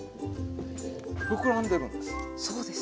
膨らんでるんです。